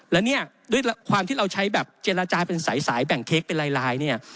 แล้วเนี่ยด้วยความที่เราใช้แบบเจรจาเป็นสายแบ่งเค้กเป็นลายเนี่ย